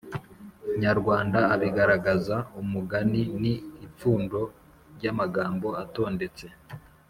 nyarwanda abigaragaza, umugani ni ipfundo ry’amagambo atondetse